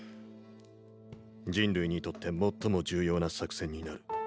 人類にとって最も重要な作戦になる。